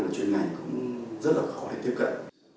và chuyên ngành cũng rất là khó để tiếp cận